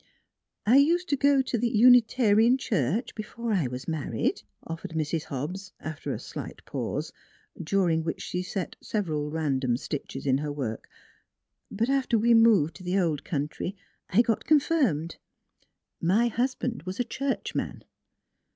" I used to go to the Unitarian Church, before I was married," offered Mrs. Hobbs, after a slight pause, during which she set several random stitches in her work; " but after we moved to the NEIGHBORS in old country I got confirmed. My husband was a churchman."